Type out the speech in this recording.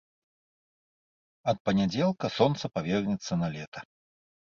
Ад панядзелка сонца павернецца на лета.